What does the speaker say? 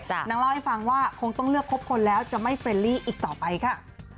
นางเล่าให้ฟังว่าคงต้องเลือกครบคนแล้วจะไม่เฟรนลี่อีกต่อไปค่ะ